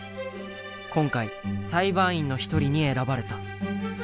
今回裁判員の一人に選ばれた。